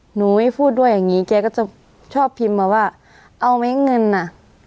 หนูไม่พูดด้วยอย่างงี้แกก็จะชอบพิมพ์มาว่าเอาไหมเงินน่ะ